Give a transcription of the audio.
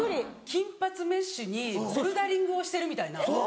金髪メッシュにボルダリングをしてるみたいな。